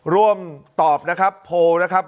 ร่วมตอบนะครับโพลนะครับ